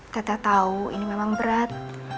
teteh tahu ini memang berat